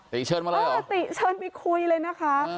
ติเชิญมาแล้วเหรออ่าติเชิญไปคุยเลยนะคะ